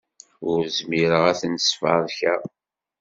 Ur zmireɣ ad ten-sferkeɣ.